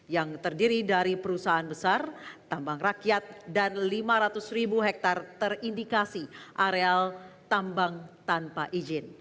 yang terdiri dari perusahaan besar tambang rakyat dan lima ratus ribu hektare terindikasi areal tambang tanpa izin